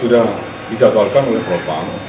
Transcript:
sudah disatulkan oleh propang